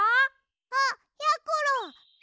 あっやころ！